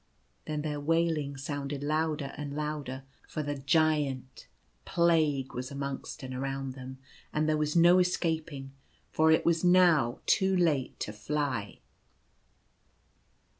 Then their wailing sounded louder and louder, for the Giant — Plague — was amongst and around them, and there was no escaping, for it was now too late to fly.